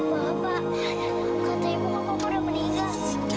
pak pak kata ibu bapak bapak udah meninggal